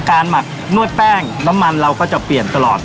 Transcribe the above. หมักนวดแป้งน้ำมันเราก็จะเปลี่ยนตลอด